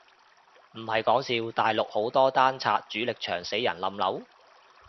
唔係講笑，大陸好多單拆主力牆死人冧樓？